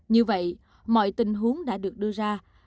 như vậy mọi tình huống đã được đưa ra